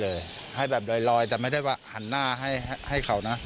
ให้เลยให้แบบลอยแต่ไม่ได้ว่าหันหน้าให้เขานะ